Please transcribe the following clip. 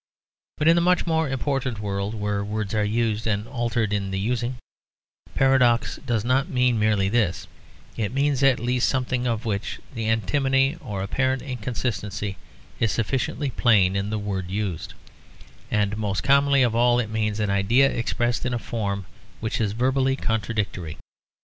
But in the much more important world, where words are used and altered in the using, paradox does not mean merely this: it means at least something of which the antinomy or apparent inconsistency is sufficiently plain in the words used, and most commonly of all it means an idea expressed in a form which is verbally contradictory.